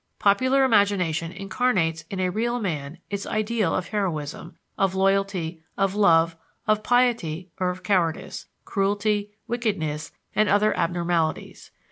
Popular imagination incarnates in a real man its ideal of heroism, of loyalty, of love, of piety, or of cowardice, cruelty, wickedness, and other abnormalities.